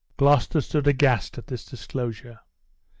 Gloucester stood aghast at this disclosure.